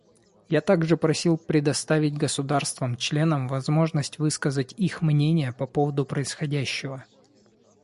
Я также просил предоставить государствам-членам возможность высказать их мнения по поводу происходящего.